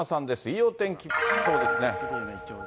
いいお天気そうですね。